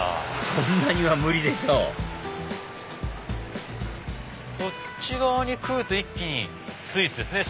そんなには無理でしょこっち側に来ると一気にスイーツですね。